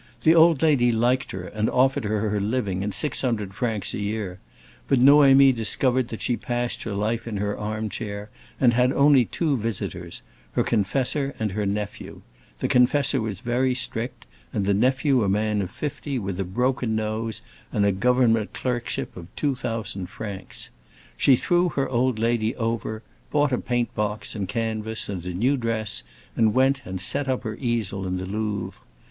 The old lady liked her, and offered her her living and six hundred francs a year; but Noémie discovered that she passed her life in her armchair and had only two visitors, her confessor and her nephew: the confessor very strict, and the nephew a man of fifty, with a broken nose and a government clerkship of two thousand francs. She threw her old lady over, bought a paint box, a canvas, and a new dress, and went and set up her easel in the Louvre.